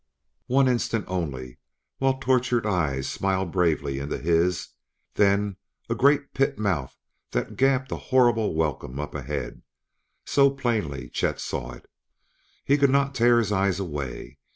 One instant only, while tortured eyes smiled bravely into his; then a great pit mouth that gaped a horrible welcome up ahead. So plainly Chet saw it! He could not tear his eyes away.